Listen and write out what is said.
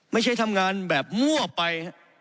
ไม่ใช่ทำงานแบบมั่วไป